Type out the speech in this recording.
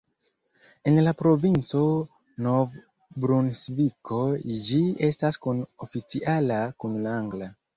En la provinco Nov-Brunsviko ĝi estas kun-oficiala kun la angla.